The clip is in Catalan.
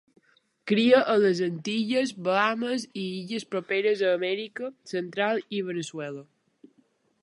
Cria a les Antilles, Bahames i illes properes a Amèrica Central i Veneçuela.